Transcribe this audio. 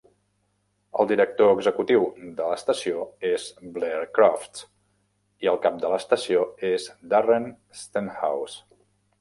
El director executiu de l'estació és Blair Crofts, i el cap de l'estació és Darren Stenhouse.